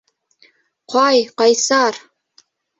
Ҡай-Ҡайсар!